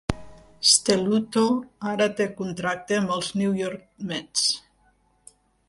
Stelluto ara té contracte amb els New York Mets.